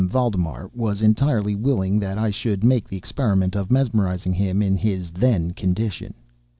Valdemar) was entirely willing that I should make the experiment of mesmerizing him in his then condition.